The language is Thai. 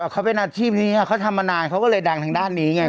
เขาเป็นอาชีพนี้เขาทำมานานเขาก็เลยดังทางด้านนี้ไง